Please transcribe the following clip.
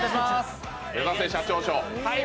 目指せ社長賞。